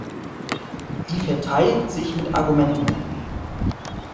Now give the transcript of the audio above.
Sie verteidigt sich mit Argumenten.